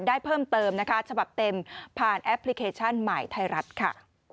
ได้เพิ่มเติมนะคะฉบับเต็มผ่านแอปพลิเคชันใหม่ไทยรัฐค่ะ